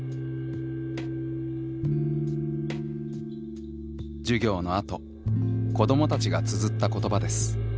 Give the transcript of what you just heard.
授業のあと子どもたちがつづった言葉です。